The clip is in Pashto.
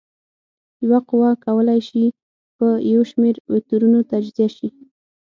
یوه قوه کولی شي په یو شمېر وکتورونو تجزیه شي.